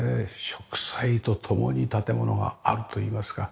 植栽と共に建物があるといいますか。